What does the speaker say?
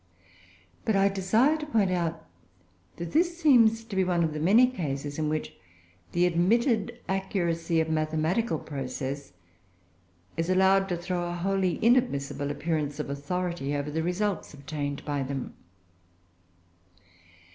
But I desire to point out that this seems to be one of the many cases in which the admitted accuracy of mathematical process is allowed to throw a wholly inadmissible appearance of authority over the results obtained by them.